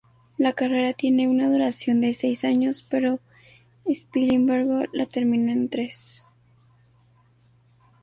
La carrera tiene una duración de seis años pero Spilimbergo la termina en tres.